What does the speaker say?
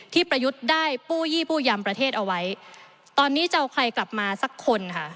ประยุทธ์ได้กู้ยี่ปู้ยำประเทศเอาไว้ตอนนี้จะเอาใครกลับมาสักคนค่ะ